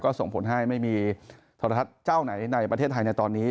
ส่งผลให้ไม่มีโทรทัศน์เจ้าไหนในประเทศไทยในตอนนี้